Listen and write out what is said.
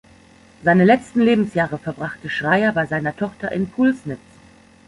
Seine letzten Lebensjahre verbrachte Schreyer bei seiner Tochter in Pulsnitz.